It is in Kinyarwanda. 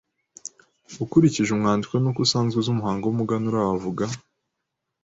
Ukurikije umwandiko n’uko usanzwe uzi umuhango w’umuganura wavuga